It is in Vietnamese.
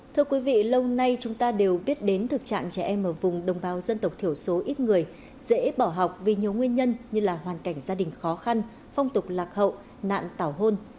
thưa quý vị lâu nay chúng ta đều biết đến thực trạng trẻ em ở vùng đồng bào dân tộc thiểu số ít người dễ bỏ học vì nhiều nguyên nhân như là hoàn cảnh gia đình khó khăn phong tục lạc hậu nạn tảo hôn